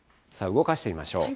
動かしてみましょう。